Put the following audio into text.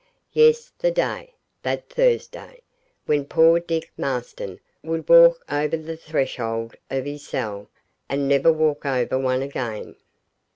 Yes, the day, that Thursday, when poor Dick Marston would walk over the threshold of his cell, and never walk over one again.